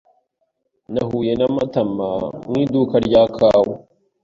Nahuye na Matama mu iduka rya kawa.